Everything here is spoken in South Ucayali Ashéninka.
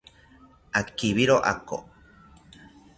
Akibiro ako